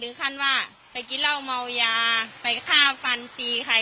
ขั้นว่าไปกินเหล้าเมายาไปฆ่าฟันตีใคร